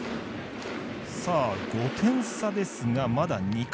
５点差ですが、まだ２回。